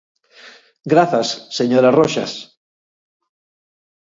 Grazas, señora Roxas.